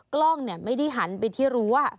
กล้องไม่ได้หันไปที่รั้ว